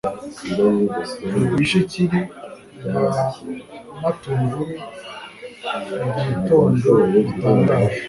Rwishiki rwa Matunguru igitondo gitangaje